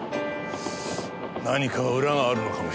何か裏があるのかもしれない。